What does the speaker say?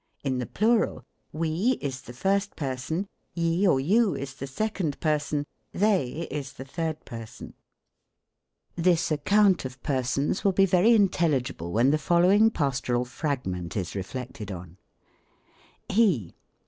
In the plural ; We, is the first person. Ye or you, is the second person. They, is the third person. 44 THE COMIC ENGLISH GRAMMAR. This account of persons will be very intelligible when the following Pastoral Fragment is reflected on : HE.